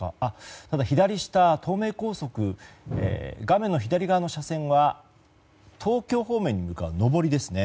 ただ、左下の東名高速画面左側の車線は東京方面に向かう上りですね。